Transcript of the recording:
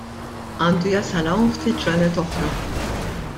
Għandu jasal hawn ftit ġranet oħra.